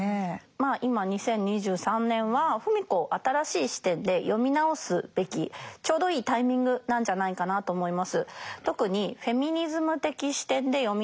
まあ今２０２３年は芙美子を新しい視点で読み直すべきちょうどいいタイミングなんじゃないかなと思います。